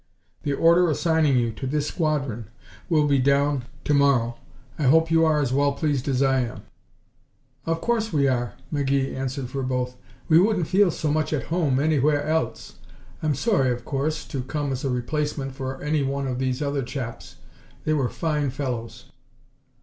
The order assigning you to this squadron will be down to morrow. I hope you are as well pleased as I am." "Of course we are," McGee answered for both. "We wouldn't feel so much at home anywhere else. I'm sorry, of course, to come as a replacement for any one of those other chaps. They were fine fellows."